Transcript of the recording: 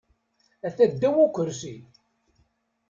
Ata ddaw ukursi.